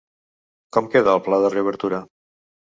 Com queda el pla de reobertura?